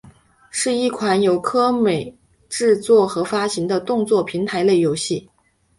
是一款由科乐美制作和发行的动作平台类游戏。